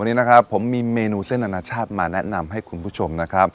วันนี้นะครับผมมีเมนูเส้นอนาชาติมาแนะนำให้คุณผู้ชมนะครับ